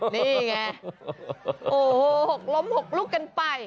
นี่ไงโอ้โหหกล้ม๖ลูกกันไป